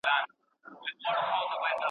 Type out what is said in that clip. هغه چا چې دا کار وکړ باید جریمه شي.